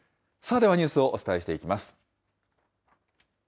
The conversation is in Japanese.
ではニュースをお伝えしていきます。